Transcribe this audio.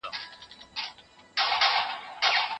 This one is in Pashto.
ټولنپوهنه به د زده کړې یوه برخه سي.